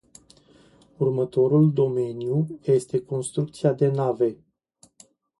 Următorul domeniu este construcția de nave.